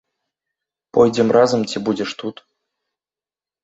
Пойдзем разам ці будзеш тут?